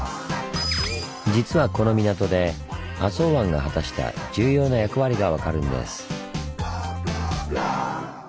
実はこの港で浅茅湾が果たした重要な役割が分かるんです。